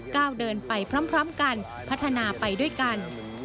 ก้าวเดินไปพร้อมกันพัฒนาไปด้วยกัน